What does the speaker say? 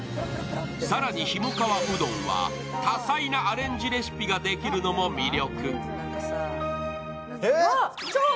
更に、ひもかわうどんは多彩なアレンジレシピができるのも魅力。